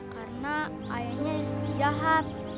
karena ayahnya jahat